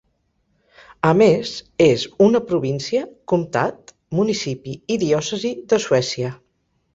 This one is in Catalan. A més, és una província, comtat, municipi i diòcesi de Suècia.